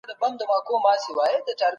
د دښمن پر وړاندې د پوهي کارونه تل مهم دي.